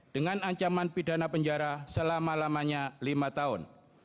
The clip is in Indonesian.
dengan ancaman pidana penjara selama lamanya lima tahun